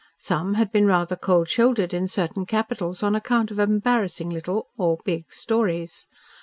Some had been rather cold shouldered in certain capitals on account of embarrassing little, or big, stories.